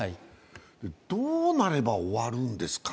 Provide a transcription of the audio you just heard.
どうなれば終わるんですか？